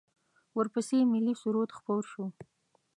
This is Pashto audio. ورپسې ملی سرود خپور شو.